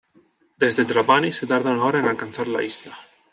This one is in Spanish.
Desde Trapani, se tarda una hora en alcanzar la isla.